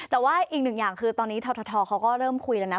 แต่ว่าอีกหนึ่งอย่างคือตอนนี้ททเขาก็เริ่มคุยแล้วนะ